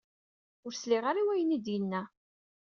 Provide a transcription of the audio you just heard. Ur sliɣ ara i wayen i d-yenna.